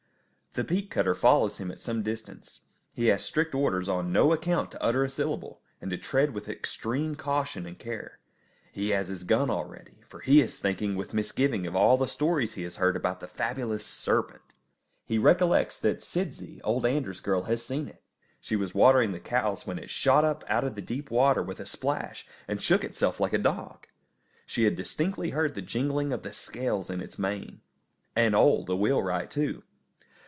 The peat cutter follows him at some distance. He has strict orders on no account to utter a syllable, and to tread with extreme caution and care. He has his gun all ready, for he is thinking with misgiving of all the stories he has heard about the fabulous "serpent." He recollects that Sidse, old Anders' girl, has seen it. She was watering the cows when it shot up out of the deep water with a splash, and shook itself like a dog. She had distinctly heard the jingling of the scales in its mane. And Ole, the wheelwright, too.